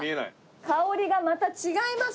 香りがまた違いますね。